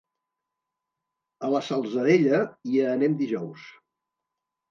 A la Salzadella hi anem dijous.